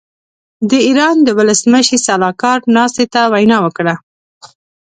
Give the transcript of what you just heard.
د ايران د ولسمشر سلاکار ناستې ته وینا وکړه.